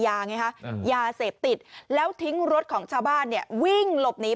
ไงฮะยาเสพติดแล้วทิ้งรถของชาวบ้านเนี่ยวิ่งหลบหนี